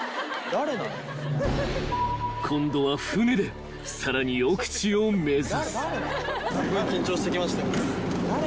［今度は船でさらに奥地を目指す］